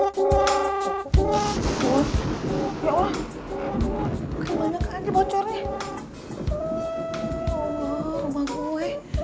ya allah rumah gue